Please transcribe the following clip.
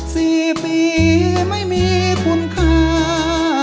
สี่ปีไม่มีคุณค่า